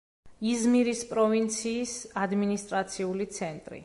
იზმირის პროვინციის ადმინისტრაციული ცენტრი.